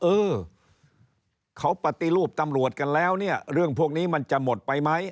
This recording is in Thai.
เออเขาปฏิรูปตำรวจกันแล้วเนี่ยเรื่องพวกนี้มันจะหมดไปไหม